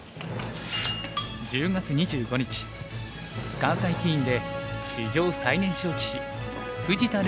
１０月２５日関西棋院で史上最年少棋士藤田怜